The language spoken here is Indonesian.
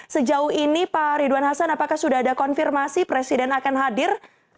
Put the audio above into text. sejauh ini pak ridwan hasan apakah sudah ada konfirmasi presiden akan hadir